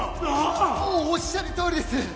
おっしゃるとおりです！